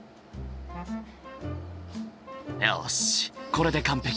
よしこれで完璧。